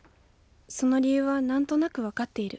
その理由は何となく分かっている。